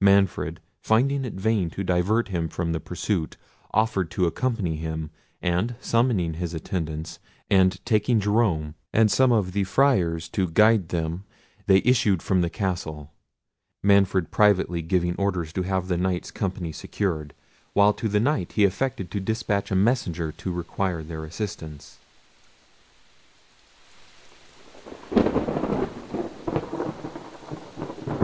Manfred, finding it vain to divert him from the pursuit, offered to accompany him and summoning his attendants, and taking Jerome and some of the Friars to guide them, they issued from the castle; Manfred privately giving orders to have the Knight's company secured, while to the knight he affected to despatch a messenger to require their assistance.